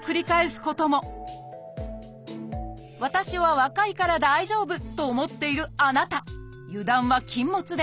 私は若いから大丈夫！と思っているあなた油断は禁物です。